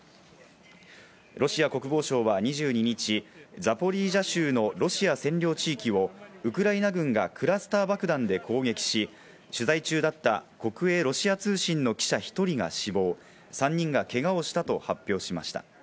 ロシア国防省は２２日、ザポリージャ州のロシア占領地域をウクライナ軍がクラスター爆弾で攻撃し、取材中だった国営ロシア通信の記者１人が死亡、３人がけがをしたと発表しました。